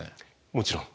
もちろん。